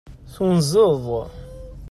Tunzeḍ.